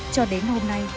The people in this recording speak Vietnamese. cho đến hôm nay